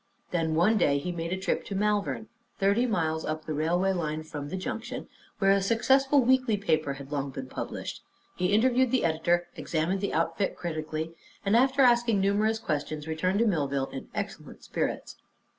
Then one day he made a trip to Malvern, thirty miles up the railway line from the Junction, where a successful weekly paper had long been published. He interviewed the editor, examined the outfit critically, and after asking numerous questions returned to Millville in excellent spirits.